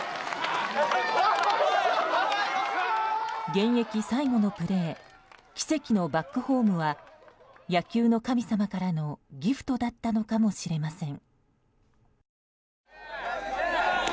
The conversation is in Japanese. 現役最後のプレー奇跡のバックホームは野球の神様からのギフトだったのかもしれません。